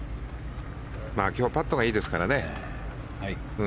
今日パットがいいですからね。